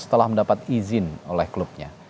setelah mendapat izin oleh klubnya